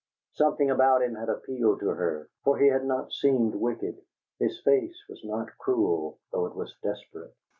Something about him had appealed to her, for he had not seemed wicked; his face was not cruel, though it was desperate.